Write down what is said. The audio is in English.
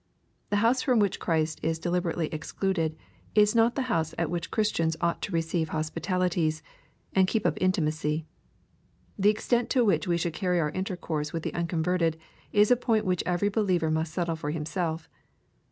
The house from which Christ is deliberately excluded is not the house at which Christians ought to receive hospitalities, and keep up intimacy. — The extent to which we should carry our intercourse with the unconverted, is a point which each believer must settle for himself.